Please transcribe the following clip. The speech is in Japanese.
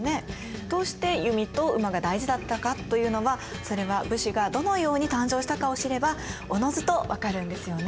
どうして弓と馬が大事だったかというのはそれは武士がどのように誕生したかを知ればおのずと分かるんですよね？